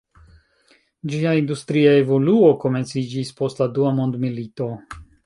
Ĝia industria evoluo komenciĝis post la Dua mondmilito.